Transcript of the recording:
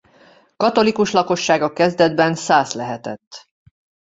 Katolikus lakossága kezdetben szász lehetett.